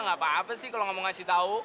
gapapa sih kalau nggak mau ngasih tahu